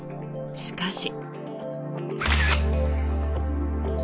しかし。